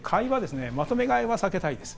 まとめ買いは避けたいです。